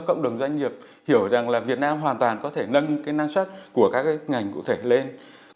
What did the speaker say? cộng đồng doanh nghiệp hiểu rằng là việt nam hoàn toàn có thể nâng cái năng suất của các cái ngành cụ thể lên